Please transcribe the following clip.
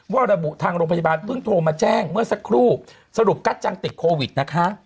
ระบุทางโรงพยาบาลเพิ่งโทรมาแจ้งเมื่อสักครู่สรุปกัจจังติดโควิดนะคะ